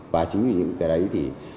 và chính vì những cái đấy thì